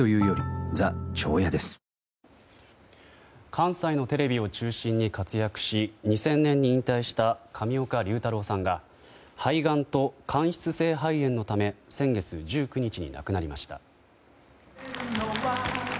関西のテレビを中心に活躍し２０００年に引退した上岡龍太郎さんが肺がんと間質性肺炎のため先月１９日に亡くなりました。